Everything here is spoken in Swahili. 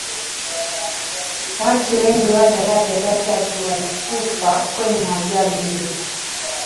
watu wengi wa daraja la tatu walikufa kwenye ajali hiyo